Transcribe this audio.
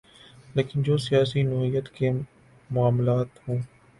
لیکن جو سیاسی نوعیت کے معاملات ہوں۔